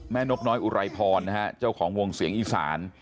นกน้อยอุไรพรนะฮะเจ้าของวงเสียงอีสาน